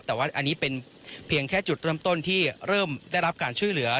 แต่ว่าอันนี้เป็นเพียงแค่จุดเริ่มต้นที่เริ่มได้รับการช่วยเหลือ